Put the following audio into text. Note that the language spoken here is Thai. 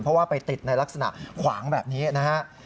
เพราะว่าไปติดในลักษณะขวางแบบนี้นะครับ